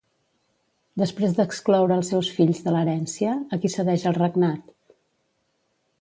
Després d'excloure els seus fills de l'herència, a qui cedeix el regnat?